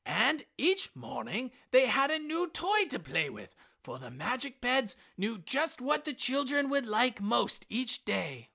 So each morning they had a new toy to play with, for the magic beds knew just what a child would like most each day.